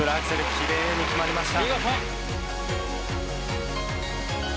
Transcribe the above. きれいに決まりました。